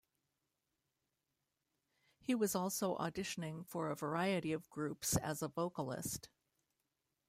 He was also auditioning for a variety of groups as a vocalist.